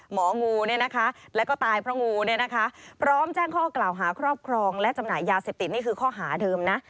หมองูและก็ตายพระงูพร้อมแจ้งข้อกล่าวหาครอบครองและจำหน่ายยาเสพติดนี่คือข้อหาเดิมนะ